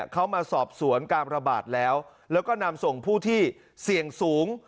เขามาสอบสวนการระบาดแล้วแล้วก็นำส่งผู้ที่เสี่ยงสูง